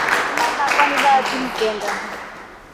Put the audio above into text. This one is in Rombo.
Rina lakwa ni Bahati mkenda.